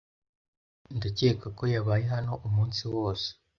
Ndakeka ko yabaye hano umunsi wose.